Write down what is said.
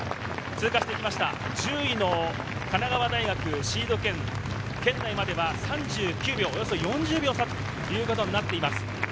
１０位の神奈川大学、シード権圏内までは３９秒、およそ４０秒差ということになっています。